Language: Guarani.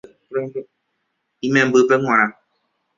Imembýpe g̃uarã